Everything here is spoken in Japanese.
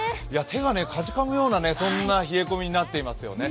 手がかじかむようなそんな冷え込みになってますよね。